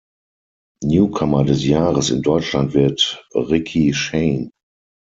Newcomer des Jahres in Deutschland wird Ricky Shayne.